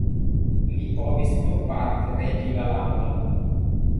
Li povis nur parte regi la landon.